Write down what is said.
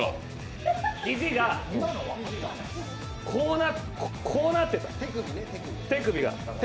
肘がこうなってた、手首が。